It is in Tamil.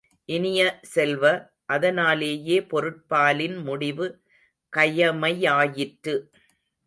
இனிய செல்வ, அதனாலேயே பொருட்பாலின் முடிவு கயமையாயிற்று.